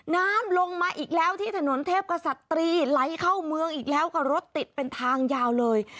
น้ำลงมาอีกแล้วที่ถนนเทพกษัตรีไหลเข้าเมืองอีกแล้วก็รถติดเป็นทางยาวเลย